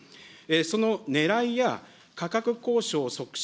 そのねらいや、価格交渉促進